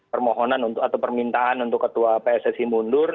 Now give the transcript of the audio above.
permohonan atau permintaan untuk ketua pssi mundur